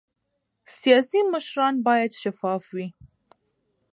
سیاسي مشران باید شفاف وي